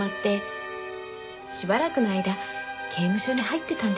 しばらくの間刑務所に入ってたんです。